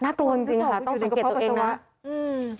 น่ากลวงจริงต้องสังเกตุตัวเองนะ